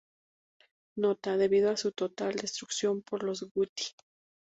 Nota: Debido a su total destrucción por los guti.